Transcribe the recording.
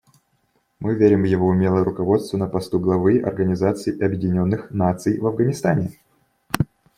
Мы верим в его умелое руководство на посту главы Организации Объединенных Наций в Афганистане.